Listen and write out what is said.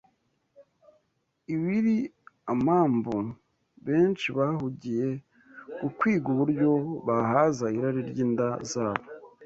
Ibiri amambu, benshi bahugiye ku kwiga uburyo bahaza irari ry’inda zabo